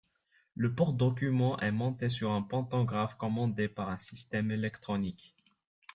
Le porte document est monté sur un pantographe commandé par un système électronique.